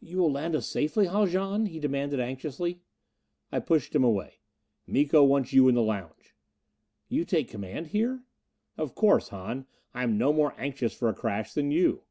"You will land us safely, Haljan?" he demanded anxiously. I pushed him away. "Miko wants you in the lounge." "You take command here?" "Of course, Hahn. I am no more anxious for a crash than you."